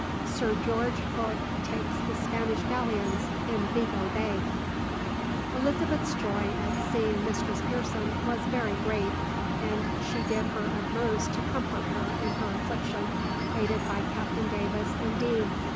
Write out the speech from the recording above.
SIR GEORGE HOOKE TAKES THE SPANISH GALLEONS IN VIGO BAY. Elizabeth's joy at seeing Mistress Pearson was very great; and she did her utmost to comfort her in her affliction, aided by Captain Davis and Deane.